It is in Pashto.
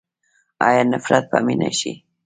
آیا نفرت به مینه شي؟